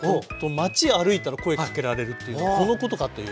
街歩いたら声かけられるっていうのはこのことかという。